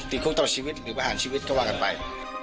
ติดคุกต่อชีวิตหรือผ่านชีวิตก็ว่ากันไป